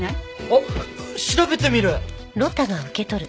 あっ調べてみる！